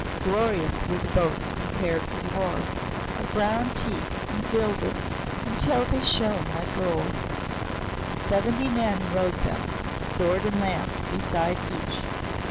Glorious were the boats prepared for war, of brown teak and gilded until they shone like gold. Seventy men rowed them, sword and lance beside each.